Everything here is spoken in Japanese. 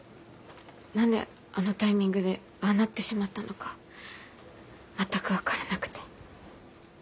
何であのタイミングでああなってしまったのか全く分からなくて。